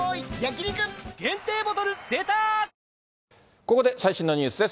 ここで最新のニュースです。